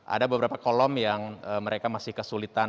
ada beberapa kolom yang mereka masih kesulitan